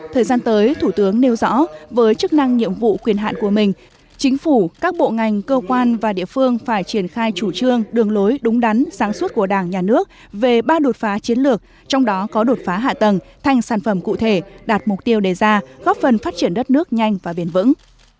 thời gian tới thủ tướng nêu rõ với chức năng nhiệm vụ quyền hạn của mình chính phủ các bộ ngành cơ quan và địa phương phải triển khai chủ trương đường lối đúng đắn sáng suốt của đảng nhà nước về ba đột phá chiến lược trong đó có đột phá hạ tầng thành sản phẩm cụ thể đạt mục tiêu đề ra góp phần phát triển đất nước nhanh và bền vững